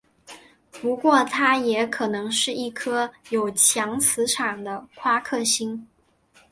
不过它也可能是一颗有强磁场的夸克星。